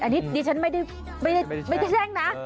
อันนี้ดิฉันไม่ได้แช่งนะ